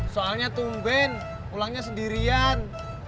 soalnya tumben pulangnya sendirian